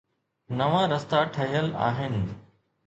نوان رستا ٺهيل آهن.